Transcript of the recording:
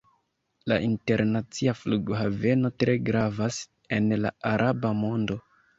La internacia flughaveno tre gravas en la araba mondo.